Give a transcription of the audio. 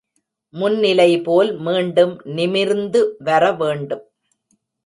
முன் நிலைபோல, மீண்டும் நிமிர்ந்து வர வேண்டும்.